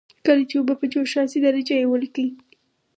کله چې اوبه په جوش راشي درجه یې ولیکئ.